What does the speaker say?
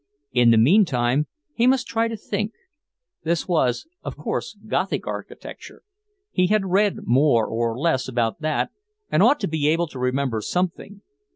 In the meantime, he must try to think: This was, of course, Gothic architecture; he had read more or less about that, and ought to be able to remember something.